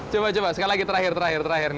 coba coba sekali lagi terakhir terakhir terakhir nih